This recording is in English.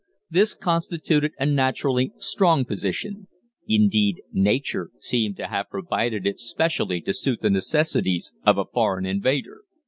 This constituted a naturally strong position; indeed, nature seemed to have provided it specially to suit the necessities of a foreign invader.